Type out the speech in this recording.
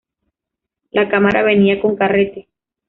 La cámara venía con carrete.